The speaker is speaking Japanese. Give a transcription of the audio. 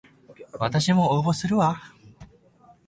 わたしも応募するわ